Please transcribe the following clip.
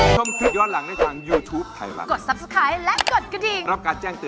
สวัสดีครับ